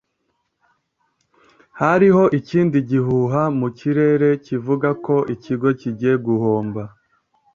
hariho ikindi gihuha mu kirere kivuga ko ikigo kigiye guhomba